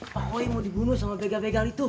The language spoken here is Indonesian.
pak koi mau dibunuh sama begal begal itu